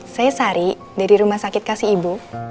saya sari dari rumah sakit kasih ibu